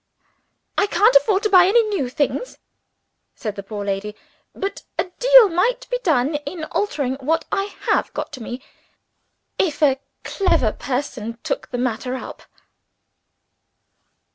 "I can't afford to buy any new things," said the poor lady. "But a deal might be done in altering what I have got by me, if a clever person took the matter up."